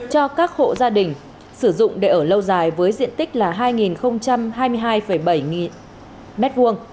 cho các hộ gia đình sử dụng để ở lâu dài với diện tích là hai hai mươi hai bảy m hai